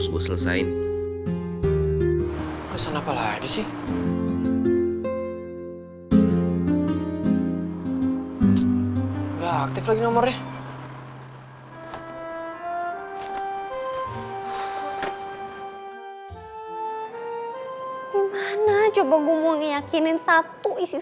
sampai ketemu lagi